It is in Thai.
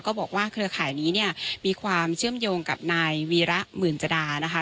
ก็บอกว่าเครือข่ายนี้เนี่ยมีความเชื่อมโยงกับนายวีระหมื่นจดานะคะ